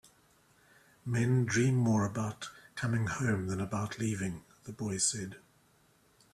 "Men dream more about coming home than about leaving," the boy said.